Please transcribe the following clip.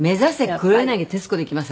黒柳徹子でいきます